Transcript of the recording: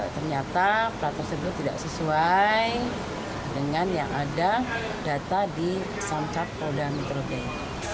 ternyata plat tersebut tidak sesuai dengan yang ada data di samcat roda metropeng